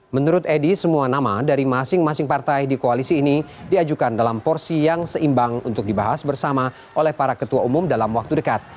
menurut edi semua nama dari masing masing partai di koalisi ini diajukan dalam porsi yang seimbang untuk dibahas bersama oleh para ketua umum dalam waktu dekat